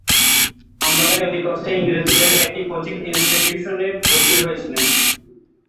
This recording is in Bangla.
আম্বালায় অতি কষ্টে ইংরেজদের একটি কোচিং ইনস্টিটিউশনে ভর্তি হয়েছিলেন।